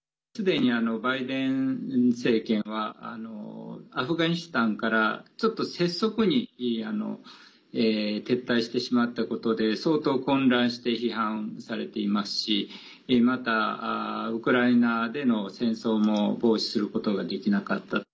すでにバイデン政権はアフガニスタンからちょっと拙速に撤退してしまったことで相当、混乱して批判されていますしまた、ウクライナでの戦争も防止することができなかった。